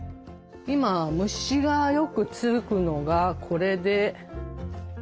今虫がよく付くのがこれで。